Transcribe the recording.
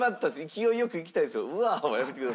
勢い良くいきたいんですよ。